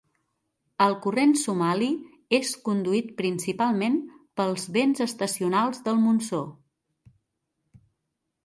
El Corrent somali és conduït principalment pels vents estacionals del monsó.